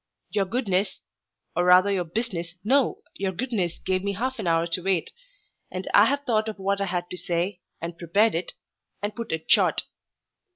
Your goodness or rather your business no, your goodness gave me half an hour to wait and I have thought of what I had to say, and prepared it, and put it short."